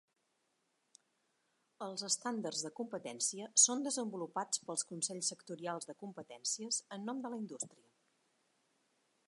Els estàndards de competència són desenvolupats pels consells sectorials de competències en nom de la indústria.